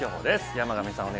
山神さん